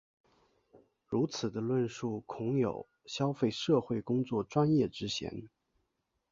如此的论述恐有消费社会工作专业之嫌。